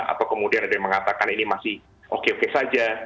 atau kemudian ada yang mengatakan ini masih oke oke saja